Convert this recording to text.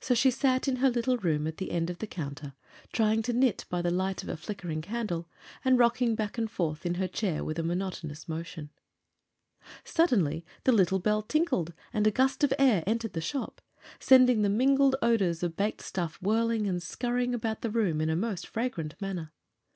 So she sat in her little room at the end of the counter, trying to knit by the light of a flickering candle, and rocking back and forth in her chair with a monotonous motion. Suddenly the little bell tinkled and a gust of air entered the shop, sending the mingled odors of baked stuff whirling and scurrying about the room in a most fragrant manner.